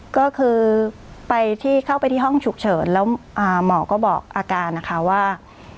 ก็คือไปที่เข้าไปที่ห้องฉุกเฉินแล้วหมอก็บอกอาการนะคะว่า